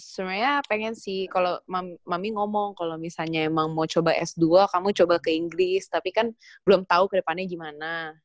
sebenarnya pengen sih kalau mami ngomong kalau misalnya emang mau coba s dua kamu coba ke inggris tapi kan belum tahu ke depannya gimana